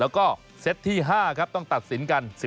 แล้วก็เซตที่๕ครับต้องตัดสินกัน